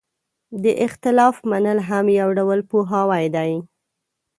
د اختلاف منل هم یو ډول پوهاوی دی.